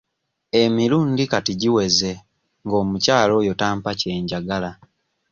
Emirundi kati giweze ng'omukyala oyo tampa kye njagala.